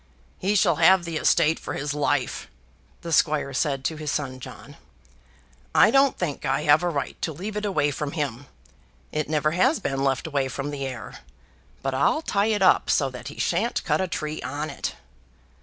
"He shall have the estate for his life," the squire said to his son John. "I don't think I have a right to leave it away from him. It never has been left away from the heir. But I'll tie it up so that he shan't cut a tree on it."